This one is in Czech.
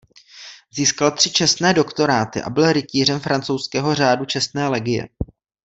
Získal tři čestné doktoráty a byl rytířem francouzského řádu Čestné legie.